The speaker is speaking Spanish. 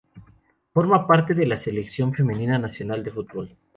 Forma parte de la selección femenina nacional de fútbol.